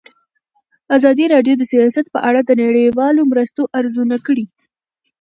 ازادي راډیو د سیاست په اړه د نړیوالو مرستو ارزونه کړې.